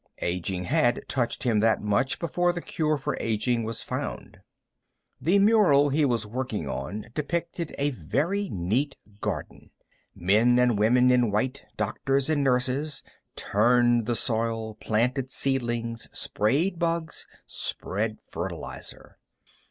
Aging had touched him that much before the cure for aging was found. The mural he was working on depicted a very neat garden. Men and women in white, doctors and nurses, turned the soil, planted seedlings, sprayed bugs, spread fertilizer.